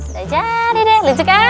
udah jadi deh lucu kan